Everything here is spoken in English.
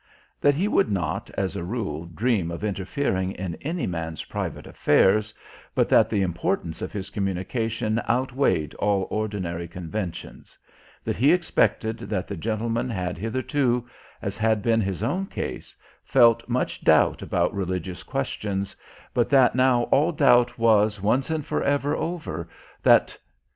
That he would not, as a rule, dream of interfering in any man's private affairs, but that the importance of his communication outweighed all ordinary conventions; that he expected that the gentleman had hitherto, as had been his own case, felt much doubt about religious questions, but that now all doubt was, once and forever, over, that...